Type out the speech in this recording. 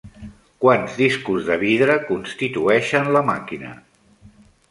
Quants discos de vidre constitueixen la màquina?